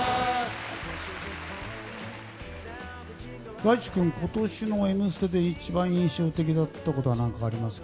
大知君、今年の「Ｍステ」で一番印象的だったことはありますか？